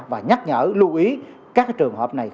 và nhắc nhở lưu ý các trường hợp này